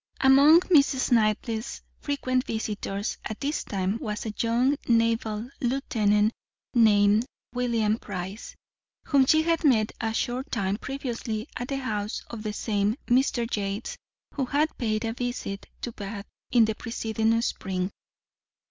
Among Mrs. Knightley's frequent visitors at this time was a young naval lieutenant named William Price, whom she had met a short time previously at the house of the same Mr. Yates who had paid a visit to Bath in the preceding spring.